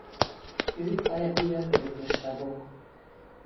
Ők a legújabb Örökös Tagok.